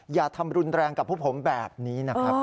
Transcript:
อย่าทำรุนแรงกับพวกผมแบบนี้นะครับ